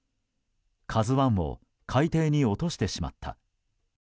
「ＫＡＺＵ１」を海底に落としてしまった。